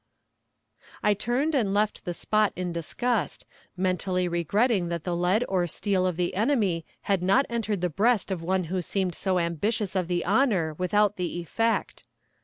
I turned and left the spot in disgust, mentally regretting that the lead or steel of the enemy had not entered the breast of one who seemed so ambitious of the honor without the effect.